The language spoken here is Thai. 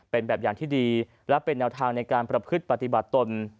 เป็นแบบอย่างที่ดีและเป็นแนวทางในการประพฤติปฏิบัติตน